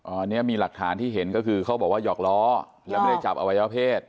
อันนี้มีหลักฐานที่เห็นก็คือเขาบอกว่าหยอกล้อแล้วไม่ได้จับอวัยวะเพศ